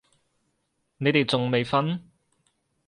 你哋仲未瞓？